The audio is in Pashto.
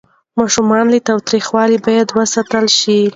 ماشومان له تاوتریخوالي باید وساتل شي.